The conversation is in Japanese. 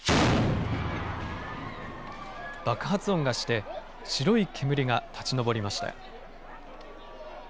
爆発音がして白い煙が立ち上りました。